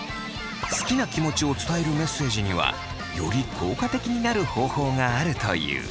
好きな気持ちを伝えるメッセージにはより効果的になる方法があるという。